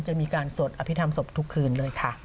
จะมีการสวดอภิษฐรรมศพทุกคืนเลยค่ะ